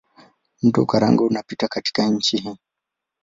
Mto Karanga unapita katika nchi hii.